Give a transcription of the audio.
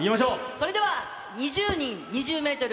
それでは２０人２０メートル